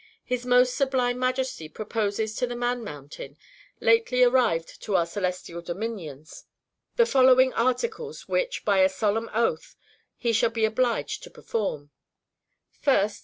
His most sublime Majesty proposes to the Man Mountain, lately arrived to our celestial dominions, the following articles, which, by a solemn oath, he shall be obliged to perform: 1st.